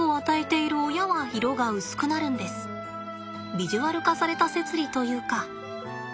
ビジュアル化された摂理というか。